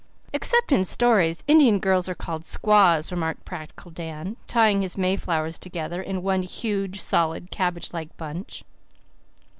"Except in stories Indian girls are called squaws," remarked practical Dan, tying his mayflowers together in one huge, solid, cabbage like bunch.